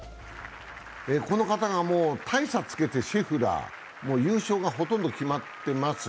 この方が、もう大差つけて、シェフラー、もう優勝がほとんど決まってます。